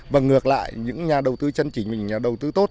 và ngược lại những nhà đầu tư chân chính những nhà đầu tư tốt